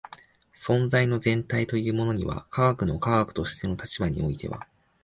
存在の全体というものには科学の科学としての立場においては